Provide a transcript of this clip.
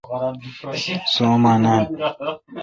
سو°اما نان۔